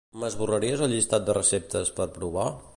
M'esborraries el llistat de receptes per provar?